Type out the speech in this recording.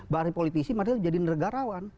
bahkan politisi menjadi negarawan